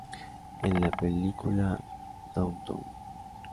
En la película "Downtown".